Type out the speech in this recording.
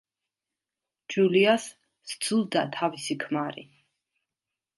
ჯულიას სძულდა თავისი ქმარი.